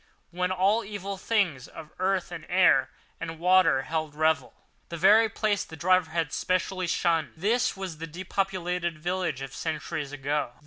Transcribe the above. When all evil things of earth and air and water held revel. This very place the driver had specially shunned. This was the depopulated village of centuries ago.